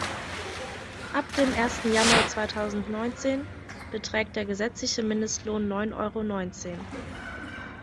Ab dem ersten Januar zweitausendneunzehn beträgt der gesetzliche Mindestlohn neun Euro neunzehn.